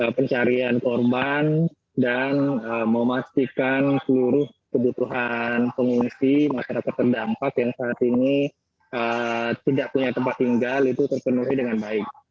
pencarian korban dan memastikan seluruh kebutuhan pengungsi masyarakat terdampak yang saat ini tidak punya tempat tinggal itu terpenuhi dengan baik